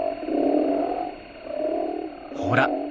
ほら。